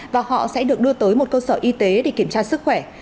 và họ sẽ được đưa tới một cơ sở y tế để kiểm tra sức khỏe